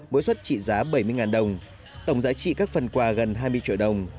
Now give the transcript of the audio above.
mỗi suất trị giá bảy mươi đồng tổng giá trị các phần quà gần hai mươi triệu đồng